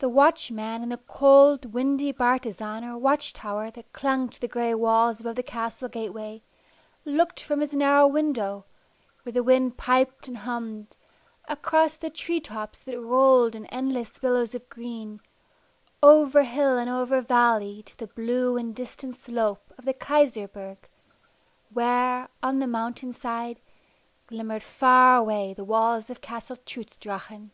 The watchman in the cold, windy bartizan or watch tower that clung to the gray walls above the castle gateway, looked from his narrow window, where the wind piped and hummed, across the tree tops that rolled in endless billows of green, over hill and over valley to the blue and distant slope of the Keiserberg, where, on the mountain side, glimmered far away the walls of Castle Trutz Drachen.